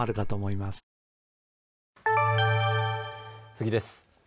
次です。